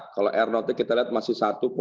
kalau r notenya kita lihat masih satu sembilan